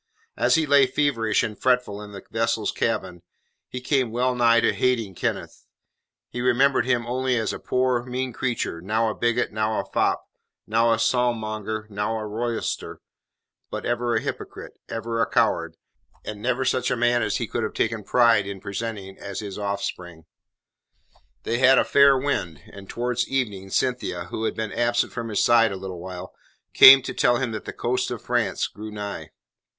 As he lay feverish and fretful in the vessel's cabin, he came well nigh to hating Kenneth; he remembered him only as a poor, mean creature, now a bigot, now a fop, now a psalm monger, now a roysterer, but ever a hypocrite, ever a coward, and never such a man as he could have taken pride in presenting as his offspring. They had a fair wind, and towards evening Cynthia, who had been absent from his side a little while, came to tell him that the coast of France grew nigh.